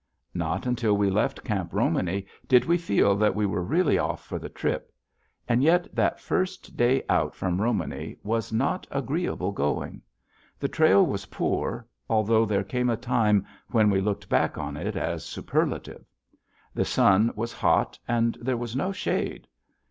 Not until we left Camp Romany did we feel that we were really off for the trip. And yet that first day out from Romany was not agreeable going. The trail was poor, although there came a time when we looked back on it as superlative. The sun was hot, and there was no shade.